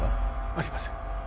ありません